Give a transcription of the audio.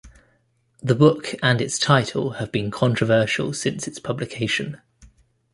The book and its title have been controversial since its publication.